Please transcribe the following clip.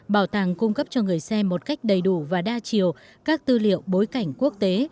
bảo tàng cung cấp cho người xem một cách đầy đủ và đa chiều các tư liệu bối cảnh quốc tế